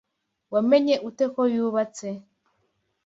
Wamenye ute ko yubatse?